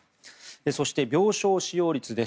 そして病床使用率です。